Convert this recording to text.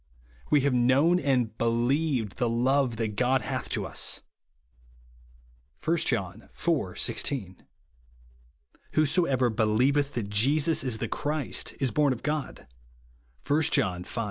"We have known and believed the love that God hath to us," (1 John iv. 16). "Whosoever believeth that Jesus is the Christ, is born of God," (I John v.